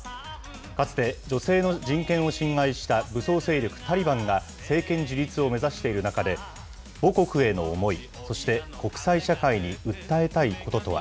かつて女性の人権を侵害した武装勢力タリバンが、政権樹立を目指している中で、母国への思い、そして国際社会に訴えたいこととは。